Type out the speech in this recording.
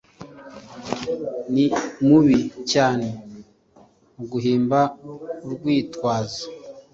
Ni mubi cyane muguhimba urwitwazo.